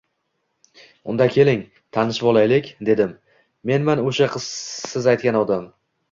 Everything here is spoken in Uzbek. — Unda keling, tanishvolaylik, — dedim. — Menman o’sha siz aytgan odam!..»